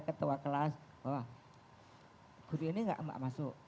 ketua kelas wah guru ini enggak masuk